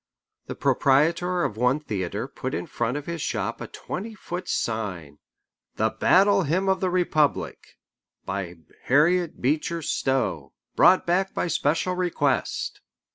The proprietor of one theatre put in front of his shop a twenty foot sign "The Battle Hymn of the Republic, by Harriet Beecher Stowe, brought back by special request."